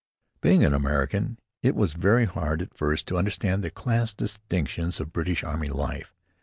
Being an American, it was very hard, at first, to understand the class distinctions of British army life.